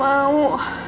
saya gak mau